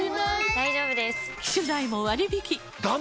大丈夫です！